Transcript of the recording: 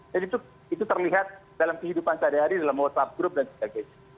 jadi itu terlihat dalam kehidupan sehari hari dalam whatsapp group dan sebagainya